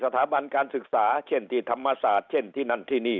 สถาบันการศึกษาเช่นที่ธรรมศาสตร์